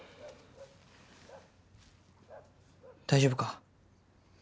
大丈夫か？